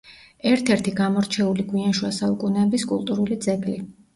ერთ-ერთი გამორჩეული გვიან შუა საუკუნეების კულტურული ძეგლი.